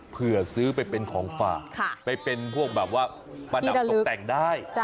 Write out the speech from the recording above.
เผื่อซื้อเป็นของฝ่าไปเป็นพวกบาปวาดังตกแต่งได้